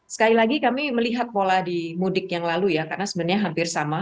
sekali lagi kami melihat pola di mudik yang lalu ya karena sebenarnya hampir sama